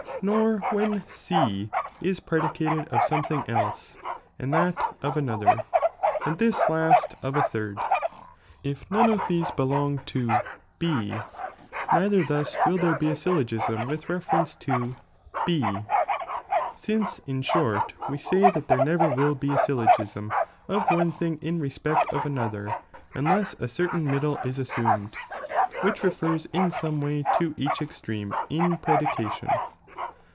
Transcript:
Nor when C is predicnted of something else, and that of another, and this last of a third,^ if none of these belong to B, neither ihm will there be a syllogism with reference to B, since in sbort we say that there never ^vill be a syllogism of one thing in respect of another unless a certain middle id assumed, which refers in some way to each extreme in predication.